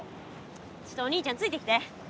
ちょっとお兄ちゃんついてきて。